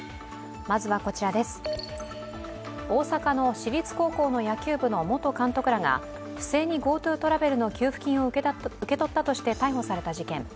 大阪の私立高校の野球部の元監督らが不正にＧｏＴｏトラベルの給付金を受け取ったとして逮捕された事件。